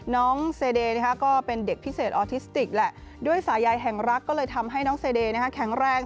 น้องเซเดย์ก็เป็นเด็กพิเศษออทิสติกแหละด้วยสายยายแห่งรักก็เลยทำให้น้องเซเดย์แข็งแรง